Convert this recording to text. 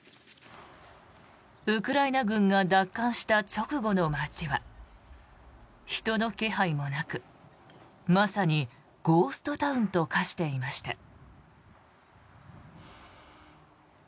ウクライナ軍が奪還した直後の街は人の気配もなくまさにゴーストタウンと化していました。